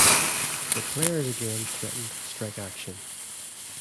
The players again threatened strike action.